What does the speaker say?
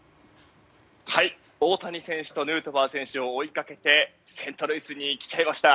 大谷選手とヌートバー選手を追いかけてセントルイスに来ちゃいました。